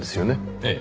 ええ。